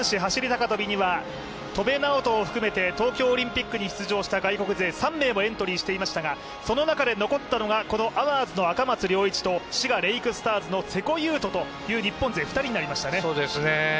高跳びには戸邉直人を含めて東京オリンピックに出場した外国勢３名をエントリーしていましたがその中で残ったのはアワーズの赤松諒一と滋賀レイクスターズの瀬古優斗になりましたね。